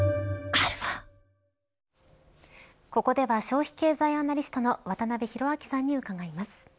ここでは消費経済アナリストの渡辺広明さんに伺います。